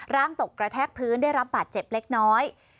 ร่างตกกระแทกพื้นได้รับบาดเจ็บเล็กน้อย